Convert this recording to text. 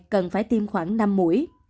cần phải tiêm khoảng ba mũi